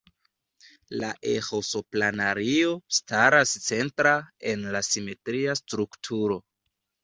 La eĥo-sopranario staras centra en la simetria strukturo.